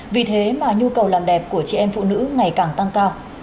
vì thế mà nhu cầu làm đẹp của chị em phụ nữ ngày càng tăng cao